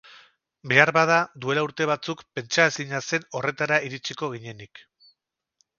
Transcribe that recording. Beharbada, duela urte batzuk pentsaezina zen horretara iritsiko ginenik.